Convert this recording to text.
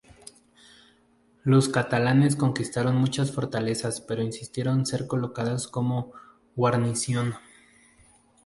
Los catalanes conquistaron muchas fortalezas, pero insistieron ser colocados como guarnición.